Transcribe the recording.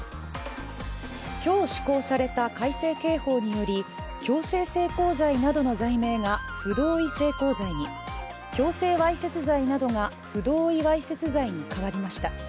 今日、施行された改正刑法により強制性交罪などの罪名が不同意性交罪に、強制わいせつ罪などが不同意わいせつ罪に変わりました。